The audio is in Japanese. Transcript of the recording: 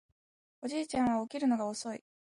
おじいちゃんは起きるのが遅い